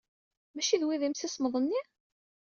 Maci d wa ay d imsismeḍ-nni?